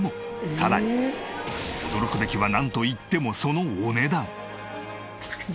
さらに驚くべきはなんといってもそのお値段！